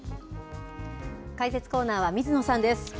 解説コーナーは水野さんです。